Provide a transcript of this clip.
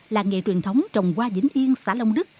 làng nghề truyền thống trồng hoa vĩnh yên xã long đức